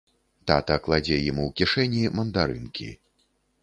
Тата кладзе ім у кішэні мандарынкі.